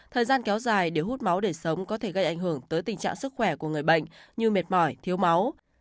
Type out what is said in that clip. thời gian kéo dài để hút máu để sống có thể gây ảnh hưởng tới tình trạng sức khỏe của người bệnh như mệt mỏi thiếu máu